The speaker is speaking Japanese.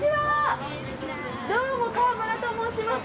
どうも川村と申します。